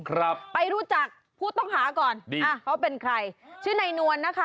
ครับไปรู้จักผู้ต้องหาก่อนดีอ่าเขาเป็นใครชื่อนายนวลนะคะ